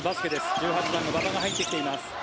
１８番の馬場が入ってきています。